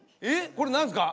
これ何ですか？